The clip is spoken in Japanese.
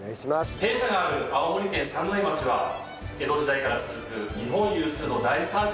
弊社がある青森県三戸町は江戸時代から続く日本有数の大豆産地です。